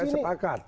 aku saya sepakat